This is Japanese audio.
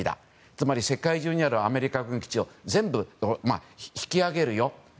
つまり、世界中にあるアメリカ軍基地を全部引き揚げるよと。